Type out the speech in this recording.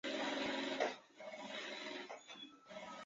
这个作用会增加这些神经递质在突触间隙的浓度。